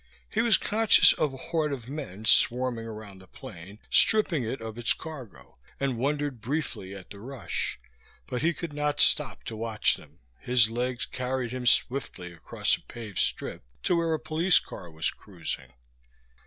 He was conscious of a horde of men swarming around the plane, stripping it of its cargo, and wondered briefly at the rush; but he could not stop to watch them, his legs carried him swiftly across a paved strip to where a police car was cruising.